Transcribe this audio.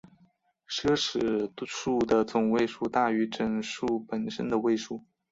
奢侈数的总位数大于整数本身的位数。